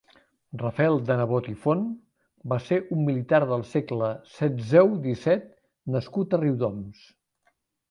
Rafael de Nebot i Font va ser un militar del segle setzeu-disset nascut a Riudoms.